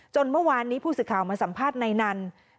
เมื่อวานนี้ผู้สื่อข่าวมาสัมภาษณ์นายนัน